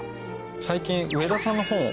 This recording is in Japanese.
最近上田さんの本を。